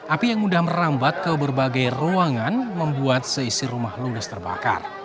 api yang mudah merambat ke berbagai ruangan membuat seisi rumah ludes terbakar